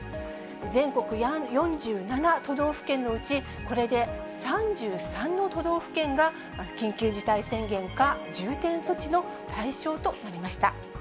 全国４７都道府県のうち、これで３３の都道府県が、緊急事態宣言か、重点措置の対象となりました。